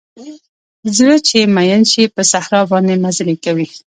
زړه چې مئین شي په صحرا باندې مزلې کوي